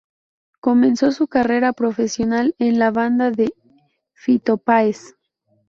Comenzó su carrera profesional en la banda de Fito Páez.